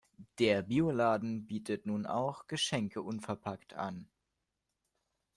Der Bioladen bietet nun auch Geschenke unverpackt an.